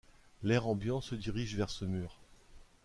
L'air ambiant se dirige vers ce mur.